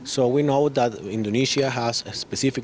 jadi kita tahu bahwa indonesia juga memiliki kebutuhan spesifik